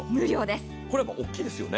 これは大きいですよね。